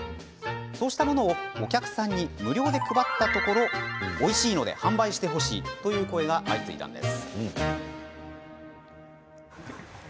そうしたものをお客さんに無料で配ったところおいしいので販売してほしいという声が相次いだんです。